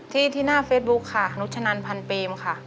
ที่หน้าเฟซบุ๊คค่ะนุชนันพันเปมค่ะ